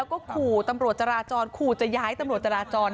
แล้วก็ขู่ตำรวจจราจรขู่จะย้ายตำรวจจราจร